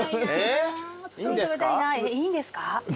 いいんですか？